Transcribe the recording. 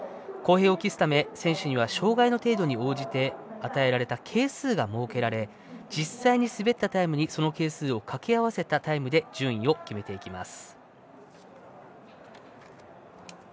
公平を期すため選手には障がいの程度に応じて与えられた係数が設けられ実際に滑ったタイムにその係数をかけ合わせたタイムで順位を決めます。